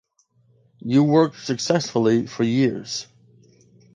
You worked successfully for years.